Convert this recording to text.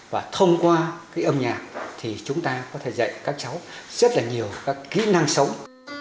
và thông qua cái âm nhạc thì chúng ta có thể dạy các cháu rất là nhiều các kỹ năng sống